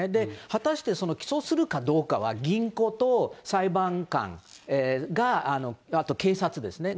果たして起訴するかどうかは、銀行と裁判官が、あと警察ですね。